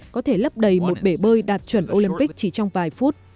có thể lấp đầy một bể bơi đạt chuẩn olympic chỉ trong vài phút